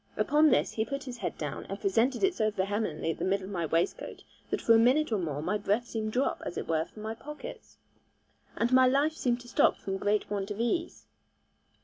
Upon this he put his head down, and presented it so vehemently at the middle of my waistcoat, that for a minute or more my breath seemed dropped, as it were, from my pockets, and my life seemed to stop from great want of ease.